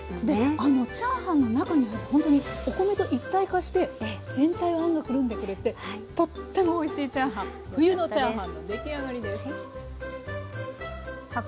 あのチャーハンの中に入るとほんとにお米と一体化して全体をあんがくるんでくれてとってもおいしいチャーハン冬のチャーハンの出来上がりです。